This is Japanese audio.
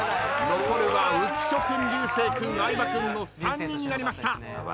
残るは浮所君流星君相葉君の３人になりました。